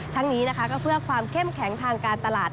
ทั้งนี้นะคะก็เพื่อความเข้มแข็งทางการตลาด